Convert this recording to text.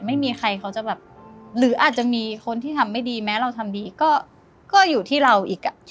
ไม่มีใครเขาจะแบบหรืออาจจะมีคนที่ทำไม่ดีแม้เราทำดีก็อยู่ที่เราอีกอ่ะ